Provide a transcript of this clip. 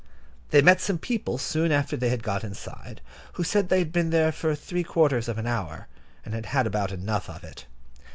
They met some people soon after they had got inside, who said they had been there for three quarters of an hour, and had had about enough of it.